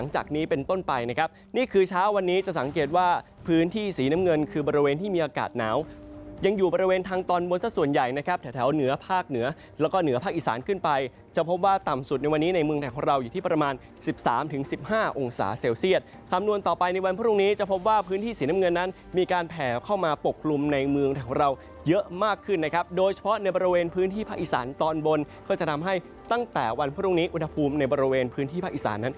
ในภาคอีสานขึ้นไปจะพบว่าต่ำสุดในวันนี้ในเมืองแถวของเราอยู่ที่ประมาณ๑๓๑๕องศาเซลเซียสคำนวณต่อไปในวันพรุ่งนี้จะพบว่าพื้นที่สีน้ำเงินนั้นมีการแผ่เข้ามาปกลุ่มในเมืองแถวของเราเยอะมากขึ้นนะครับโดยเฉพาะในบริเวณพื้นที่ภาคอีสานตอนบนก็จะทำให้ตั้งแต่วันพรุ่งนี้อุณหภูมิใน